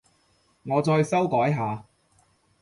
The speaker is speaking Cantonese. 我再修改下